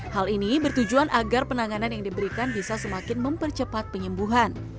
hal ini bertujuan agar penanganan yang diberikan bisa semakin mempercepat penyembuhan